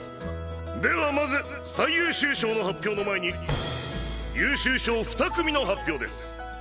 ではまず最優秀賞の発表の前に優秀賞２組の発表です。